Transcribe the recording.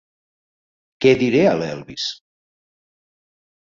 Què diré a l'Elvis?